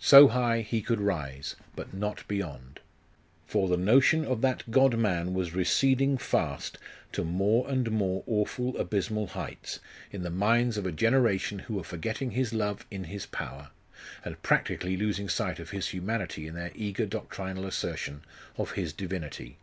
So high he could rise, but not beyond. For the notion of that God man was receding fast to more and more awful abysmal heights, in the minds of a generation who were forgetting His love in His power, and practically losing sight of His humanity in their eager doctrinal assertion of His Divinity.